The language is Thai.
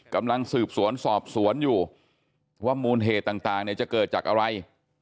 กำลังสืบสวนสอบสวนอยู่ว่ามูลเหตุต่างเนี่ยจะเกิดจากอะไร